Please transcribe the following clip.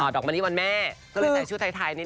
ดอกมะลิวันแม่ก็เลยใส่ชุดไทยนิด